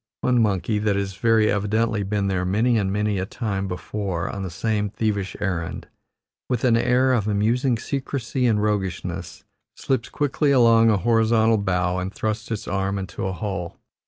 One monkey, that has very evidently been there many and many a time before on the same thievish errand, with an air of amusing secrecy and roguishness, slips quickly along a horizontal bough and thrusts its arm into a hole.